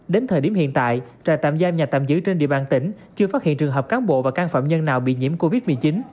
đến thời điểm hiện tại trại tạm giam nhà tạm giữ trên địa bàn tỉnh chưa phát hiện trường hợp cán bộ và căn phạm nhân nào bị nhiễm covid một mươi chín